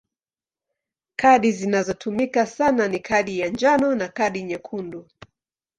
Kadi zinazotumika sana ni kadi ya njano na kadi nyekundu.